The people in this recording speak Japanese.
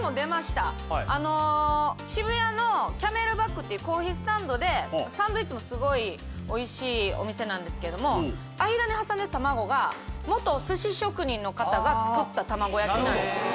あの渋谷のＣＡＭＥＬＢＡＣＫっていうコーヒースタンドでサンドイッチもすごいおいしいお店なんですけども間に挟んでる卵が元すし職人の方が作った卵焼きなんですよ。